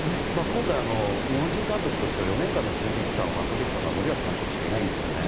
今回、日本人監督としては４年間の準備期間を全うできたのは森保監督しかいないんですね。